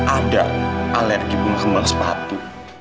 ada alergi kembang sepatu